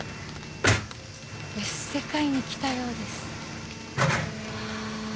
別世界に来たようですはぁ。